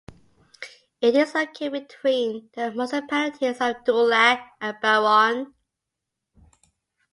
It is located between the municipalities of Dulag and Burauen.